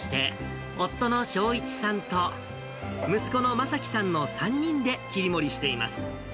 そして、夫の正一さんと息子のまさきさんの３人で切り盛りしています。